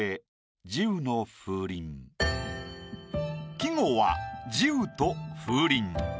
季語は「慈雨」と「風鈴」。